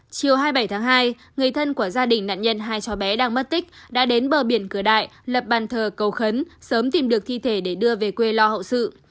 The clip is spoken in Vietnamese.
chiều hai mươi bảy tháng hai người thân của gia đình nạn nhân hai cháu bé đang mất tích đã đến bờ biển cửa đại lập bàn thờ cầu khấn sớm tìm được thi thể để đưa về quê lo hậu sự